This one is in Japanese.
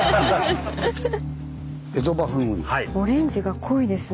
オレンジが濃いですね。